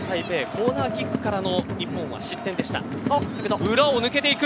コーナーキックからの日本の失点でした。